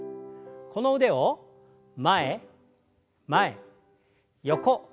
この腕を前前横横。